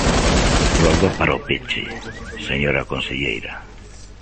Rolda para o peche, señora conselleira.